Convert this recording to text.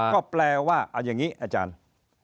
ก็แปลว่าเอาอย่างนี้อาจารย์